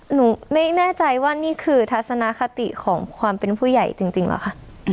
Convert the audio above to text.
หนูไม่แน่ใจว่านี่คือทัศนคติของความเป็นผู้ใหญ่จริงเหรอคะ